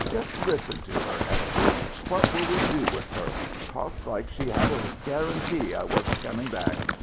Just listen to her, Esther! What will we do with her? Talks like she had a guarantee I wasn't coming back.